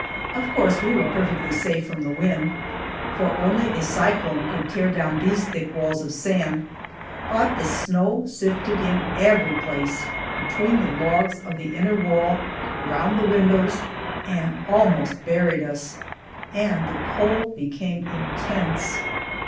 Of course we were perfectly safe from the wind, for only a cyclone could tear down these thick walls of sand, but the snow sifted in every place between the logs of the inner wall, around the windows and almost buried us. And the cold became intense.